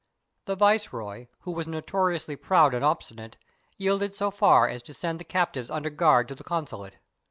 The viceroy, who was notoriously proud and obstinate, yielded so far as to send the captives under guard to the consulate.